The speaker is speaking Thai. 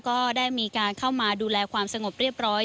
ก็ได้มีการเข้ามาดูแลความสงบเรียบร้อย